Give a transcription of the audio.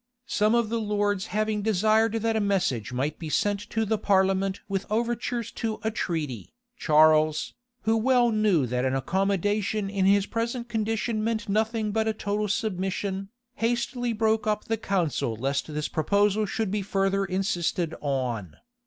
Some of the lords having desired that a message might be sent to the parliament with overtures to a treaty, Charles, who well knew that an accommodation in his present condition meant nothing but a total submission, hastily broke up the council lest this proposal should be further insisted on.